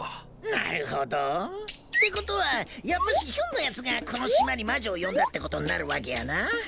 なるほど？って事はやっぱしヒュンのやつがこの島に魔女を呼んだって事になるわけやな。